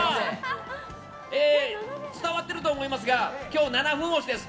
伝わってると思いますが今日７分押しです。